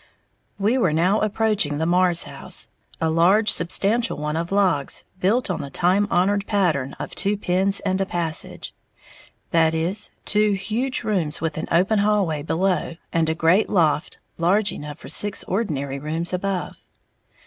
We were now approaching the Marrs house, a large, substantial one of logs, built on the time honored pattern of "two pens and a passage," that is, two huge rooms, with an open hallway, below, and a great "loft", large enough for six ordinary rooms, above.